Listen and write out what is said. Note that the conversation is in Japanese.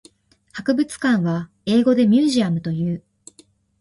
博物館は英語でミュージアムという。